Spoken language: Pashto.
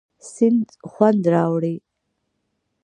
سیند خوند راوړي.